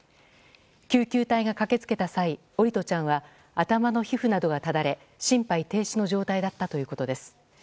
救急隊が駆け付けた際桜利斗ちゃんは頭の皮膚などがただれ心肺停止の状態だったということです。